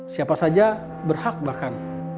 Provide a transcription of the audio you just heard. siapa saja berhak bahkan